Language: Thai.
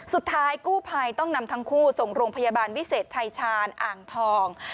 สุดท้ายกู้ภัยต้องนำทั้งคู่ส่งโรงพยาบาลวิเศษชายชาญอ่างทอง